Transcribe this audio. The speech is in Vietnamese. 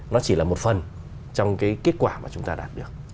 nó chỉ là một phần trong cái kết quả mà chúng ta đạt được